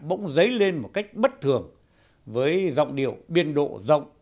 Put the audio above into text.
bỗng dấy lên một cách bất thường với giọng điệu biên độ rộng